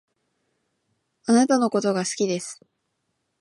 貴方のことが好きです